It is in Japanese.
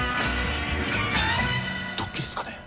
ドッキリっすかね？